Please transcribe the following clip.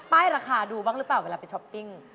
ราคาดูบ้างหรือเปล่าเวลาไปช้อปปิ้ง